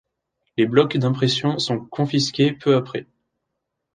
Les blocs d'impression sont confisqués peu après.